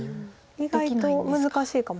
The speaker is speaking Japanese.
意外と難しいかもしれないです